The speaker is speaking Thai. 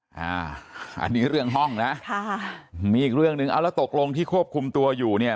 ใช่อ่าอันนี้เรื่องห้องซึ่งนึกถูกลงที่ควบคุมตัวอยู่เนี่ย